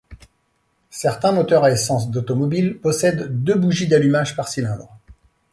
Certains moteurs à essence d'automobile possèdent deux bougies d'allumage par cylindre.